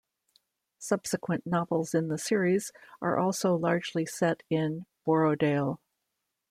Subsequent novels in the series are also largely set in Borrowdale.